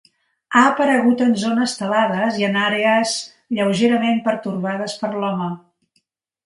Ha aparegut en zones talades i en àrees lleugerament pertorbades per l'home.